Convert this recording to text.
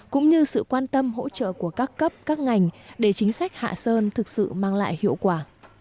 cũng như sự quan tâm hỗ trợ của các cấp các ngành để chính sách hạ sơn thực sự mang lại hiệu quả